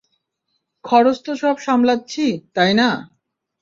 খরচ তো সব সামলাচ্ছি, তাই না?